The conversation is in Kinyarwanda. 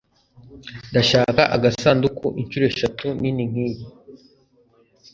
Ndashaka agasanduku inshuro eshatu nini nkiyi.